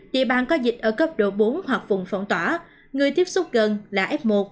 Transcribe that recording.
địa bàn có dịch ở cấp độ bốn hoặc vùng phong tỏa người tiếp xúc gần là f một